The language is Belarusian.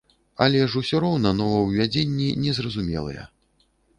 Але ж усё роўна новаўвядзенні незразумелыя.